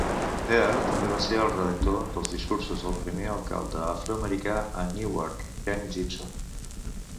Heard també va ser el redactor dels discursos del primer alcalde afroamericà de Newark, Ken Gibson.